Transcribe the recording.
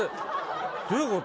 どういうこと？